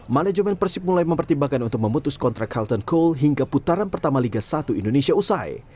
manajemen persib mulai mempertimbangkan untuk memutus kontrak carton cole hingga putaran pertama liga satu indonesia usai